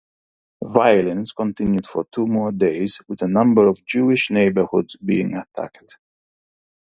Violence continued for two more days, with a number of Jewish neighborhoods being attacked.